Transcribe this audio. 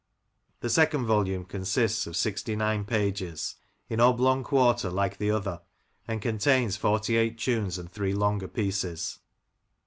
The second volume consists of sixty nine pages, in oblong quarto like the other, and contains forty eight tunes and three longer pieces.